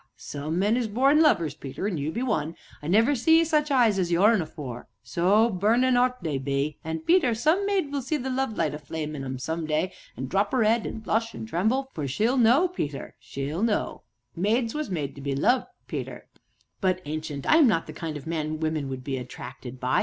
some men is born lovers, Peter, an' you be one. I never see such eyes as yourn afore, so burnin' 'ot they be. Ah, Peter! some maid will see the lovelight aflame in 'em some day, an' droop 'er 'ead an' blush an' tremble for she'll know, Peter, she'll know; maids was made to be loved, Peter " "But, Ancient, I am not the kind of man women would be attracted by.